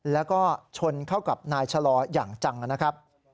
แล้วก็ชนเข้ากับนายชะลออย่างจังนะครับ